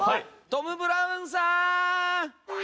トム・ブラウンさーん！